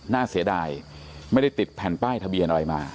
เสียดายไม่ได้ติดแผ่นป้ายทะเบียนอะไรมา